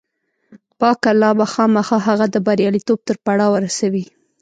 پاک الله به خامخا هغه د برياليتوب تر پړاوه رسوي.